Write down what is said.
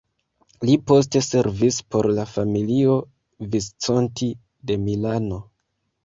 Li poste servis por la familio Visconti de Milano.